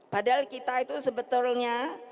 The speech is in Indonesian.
padahal kita itu sebetulnya